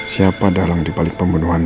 siapa dalam dibalik pembunuhan roy